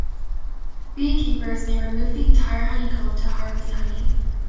Beekeepers may remove the entire honeycomb to harvest honey.